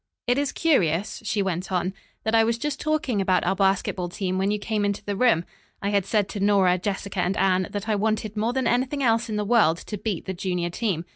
It is curious," she went on, "that I was just talking about our basketball team when you came into the room. I had said to Nora, Jessica and Anne that I wanted more than anything else in the world to beat the junior team.